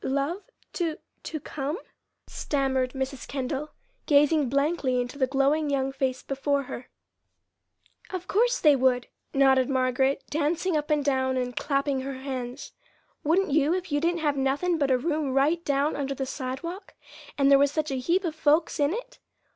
"Love to to come?" stammered Mrs. Kendall, gazing blankly into the glowing young face before her. "Of course they would!" nodded Margaret, dancing up and down and clapping her hands. "Wouldn't you if you didn't have nothin' but a room right down under the sidewalk, and there was such a heap of folks in it?